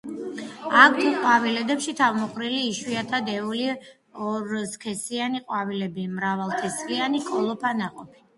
აქვთ ყვავილედებში თავმოყრილი, იშვიათად ეული ორსქესიანი ყვავილები, მრავალთესლიანი კოლოფა ნაყოფი.